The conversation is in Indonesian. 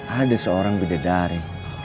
ada seorang bidadari